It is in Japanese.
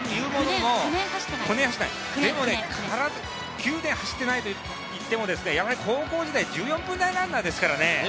９年走っていないと言っても、やはり高校時代、１４分ランナーですからね。